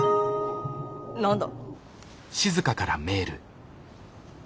何だ？